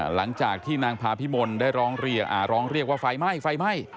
หลังจากที่นางพาพิมลได้ร้องเรียกอ่าร้องเรียกว่าไฟไหม้